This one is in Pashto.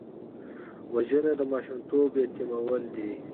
وژنه د ماشومتوب یتیمول دي